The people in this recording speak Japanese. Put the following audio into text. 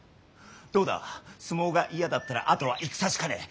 どうだ相撲が嫌だったらあとは戦しかねえ。